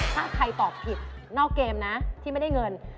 ถ้าใครตอบผิดนอกเกมนะที่ไม่ได้เงิน